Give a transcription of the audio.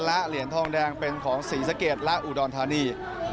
และเหรียญทองแดงเป็นของศรีสะเกดและอุดรธานี